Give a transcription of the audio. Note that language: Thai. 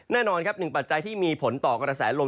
แน่นอนครับหนึ่งปัจจัยที่มีผลต่อกระแสลม